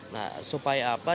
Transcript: nah supaya apa